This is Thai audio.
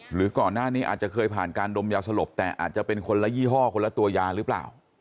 หรือก่อนหน้านี้อาจจะเคยผ่านการดมยาสลบแต่อาจจะเป็นคนละยี่ห้อคนละตัวยาหรือเปล่า